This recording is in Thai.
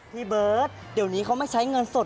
พี่เบิร์ตเดี๋ยวนี้เขาไม่ใช้เงินสด